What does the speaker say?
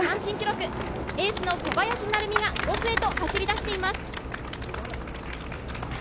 エースの小林成美が５区へと走り出しています。